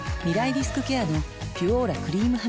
リスクケアの「ピュオーラ」クリームハミガキ